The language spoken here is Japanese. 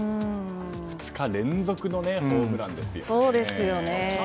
２日連続のホームランですよね。